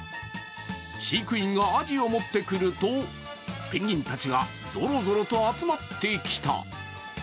飼育員がアジを持ってくるとペンギンたちがゾロゾロと集まってきた。